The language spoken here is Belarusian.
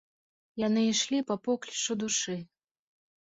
Яны ішлі па поклічу душы.